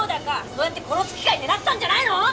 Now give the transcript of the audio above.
そうやって殺す機会狙ってたんじゃないの？